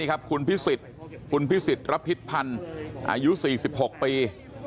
คุณพิสิทธุ์รับพิจพันธุ์อายุ๔๖ปี